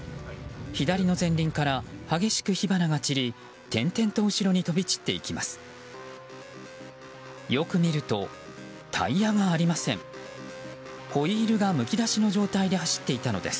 左の前輪から激しく火花が散り点々と後ろに飛び散っていきます。